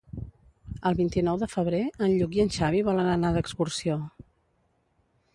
El vint-i-nou de febrer en Lluc i en Xavi volen anar d'excursió.